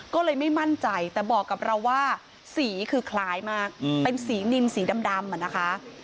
ก็เลยไม่มั่นใจแต่บอกกับเราว่าสีคือคล้ายมากเป็นสีนินสีดำอ่ะนะคะ